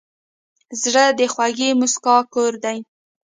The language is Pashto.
زړه د خوږې موسکا کور دی.